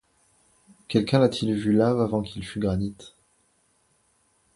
Quelqu’un l’a-t-il vu lave avant qu’il fût granit ?